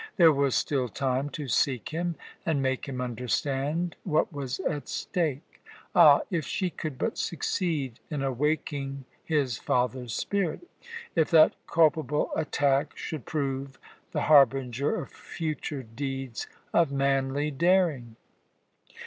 There was still time to seek him and make him understand what was at stake. Ah! if she could but succeed in awaking his father's spirit! If that culpable attack should prove the harbinger of future deeds of manly daring!